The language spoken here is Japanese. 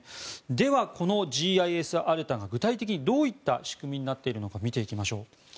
では、このＧＩＳＡｒｔａが具体的にどういった仕組みになっているのか見ていきましょう。